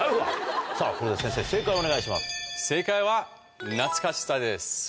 さぁそれでは先生正解をお願いします。